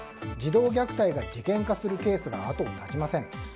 児童虐待が事件化するケースが後を絶ちません。